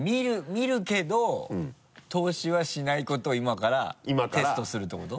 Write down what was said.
見るけど透視はしないことを今からテストするってこと？